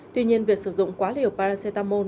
tuy nhiên việc sử dụng quá liều paracetamol